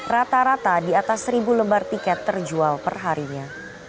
rata rata di atas seribu lembar tiket terjual perharinya